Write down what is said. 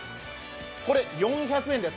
これ、４００円です。